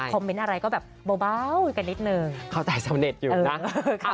เมนต์อะไรก็แบบเบากันนิดนึงเข้าใจสำเร็จอยู่นะ